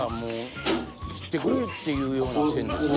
切ってくれっていうような線ですね